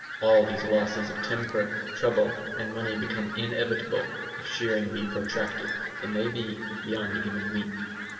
All these losses of temper, trouble, and money become inevitable if shearing be protracted, it may be, beyond a given week.